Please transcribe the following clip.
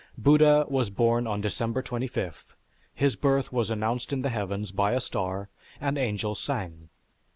Buddha was born on December 25, his birth was announced in the heavens by a star, and angels sang.